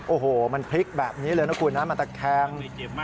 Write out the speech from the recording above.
โอ้โหมันพลิกแบบนี้เลยนะคุณนะมันตะแคง